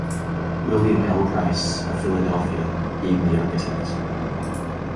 William L. Price, of Philadelphia, being the architect.